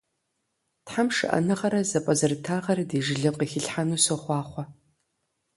Тхьэм шыӀэныгъэрэ зэпӀэзэрытагъэрэ ди жылэм къыхилъхьэну сохъуахъуэ.